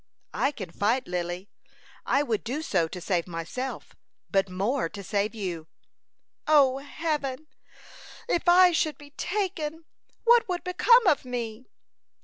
"I can fight, Lily; I would do so to save myself, but more to save you." "O Heaven! If I should be taken! What would become of me?"